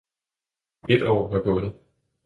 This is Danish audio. Et år var gået.